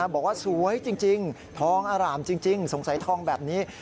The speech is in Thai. บอกว่าสวยจริงทองอร่ามจริงสงสัยทองแบบนี้